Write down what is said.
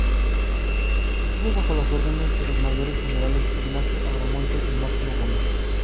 Estuvo bajo las órdenes de los Mayores generales Ignacio Agramonte y Máximo Gómez.